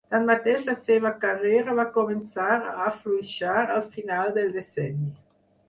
Tanmateix la seva carrera va començar a afluixar al final del decenni.